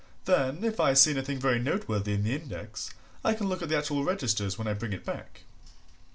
then, if I see anything very noteworthy in the index, I can look at the actual registers when I bring it back."